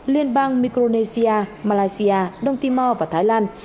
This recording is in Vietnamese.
liên bang micronesia malaysia đông timor và thái lan